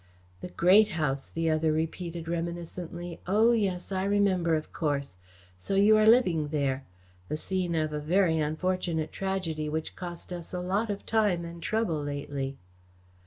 "The Great House," the other repeated reminiscently. "Oh, yes, I remember, of course. So you are living there. The scene of a very unfortunate tragedy which cost us a lot of time and trouble lately."